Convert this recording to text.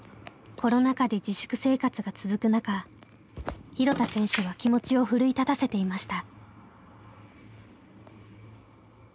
コロナ禍で自粛生活が続く中廣田選手は気持ちを奮い立たせていました。